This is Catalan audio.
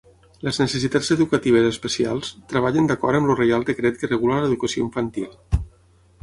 Les necessitats educatives especials treballen d'acord amb el reial decret que regula l'educació infantil.